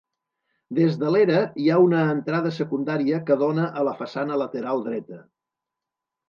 Des de l'era hi ha una entrada secundària que dóna a la façana lateral dreta.